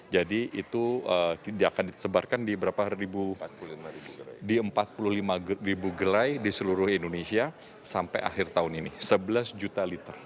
jadi itu akan disebarkan di empat puluh lima gelai di seluruh indonesia sampai akhir tahun ini sebelas juta liter